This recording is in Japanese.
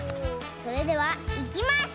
それではいきます！